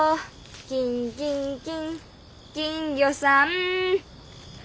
「きーんきんきん、金魚さん」